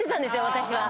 私は。